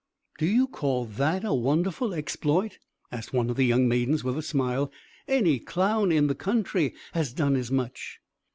"Do you call that a wonderful exploit?" asked one of the young maidens, with a smile. "Any clown in the country has done as much!"